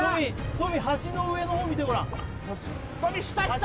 トミー橋の上の方見てごらん橋？